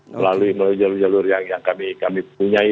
melalui jalur jalur yang kami punyai